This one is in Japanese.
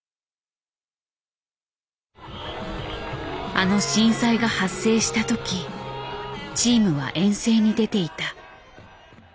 あの震災が発生したときチームは遠征に出ていた。